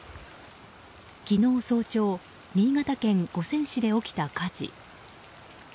昨日早朝、新潟県五泉市で起きた火事。